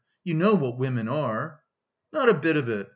You know what women are!" "Not a bit of it!